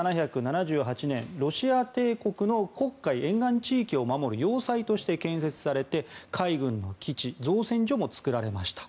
１７７８年ロシア帝国の黒海沿岸地域を守る要塞として建設されて海軍の基地、造船所も作られました。